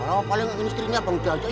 kalau paling istrinya bang jajah